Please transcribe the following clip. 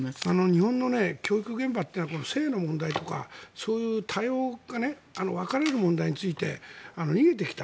日本の教育現場って性の問題とか、そういう多様化分かれる問題について逃げてきた。